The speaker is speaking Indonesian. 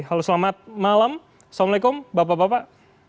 halo selamat malam assalamualaikum bapak bapak